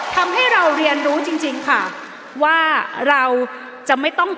ทำให้เราเรียนรู้จริงจริงค่ะว่าเราจะไม่ต้อง